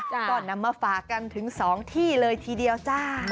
ก่อนนั้นมาฝากกันถึงสองที่เลยทีเดียวจ้า